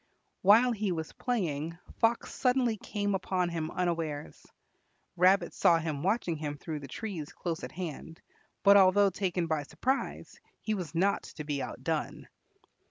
While he was playing, Fox suddenly came upon him unawares. Rabbit saw him watching him through the trees close at hand, but although taken by surprise, he was not to be outdone.